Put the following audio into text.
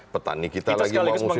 petani kita lagi mau musik